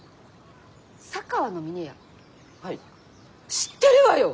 知ってるわよ！